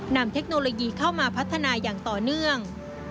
เทคโนโลยีเข้ามาพัฒนาอย่างต่อเนื่อง